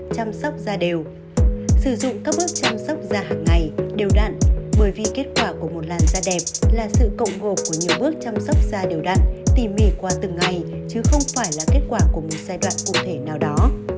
chăm sóc da đều sử dụng các bước chăm sóc da hàng ngày đều đặn bởi vì kết quả của một làn da đẹp là sự cộng gộp của nhiều bước chăm sóc da đều đặn tỉ mỉ qua từng ngày chứ không phải là kết quả của một giai đoạn cụ thể nào đó